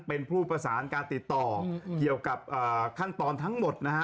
เป็นผู้ประสานการติดต่อเกี่ยวกับขั้นตอนทั้งหมดนะฮะ